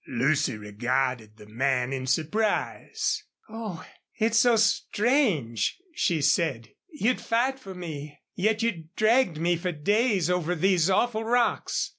Lucy regarded the man in surprise. "Oh, it's so strange!" she said. "You'd fight for me. Yet you dragged me for days over these awful rocks!